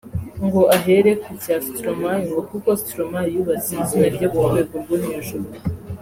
ngo ahere ku cya Stromae ngo kuko Stromae yubatse izina rye ku rwego rwo hejuru